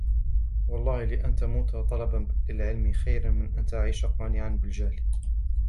وَاَللَّهِ لَأَنْ تَمُوتَ طَالِبًا لِلْعِلْمِ خَيْرٌ مِنْ أَنْ تَعِيشَ قَانِعًا بِالْجَهْلِ